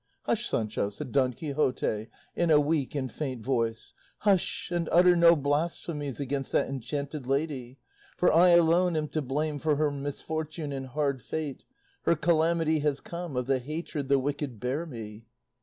"Hush, Sancho," said Don Quixote in a weak and faint voice, "hush and utter no blasphemies against that enchanted lady; for I alone am to blame for her misfortune and hard fate; her calamity has come of the hatred the wicked bear me."